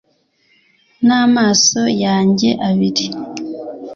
n'amaso yanjye abiri